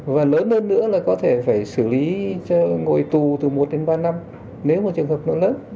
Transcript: và lớn hơn nữa là có thể phải xử lý ngồi tù từ một đến ba năm nếu mà trường hợp nó lớn